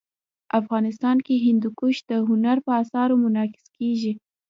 افغانستان کي هندوکش د هنر په اثارو کي منعکس کېږي.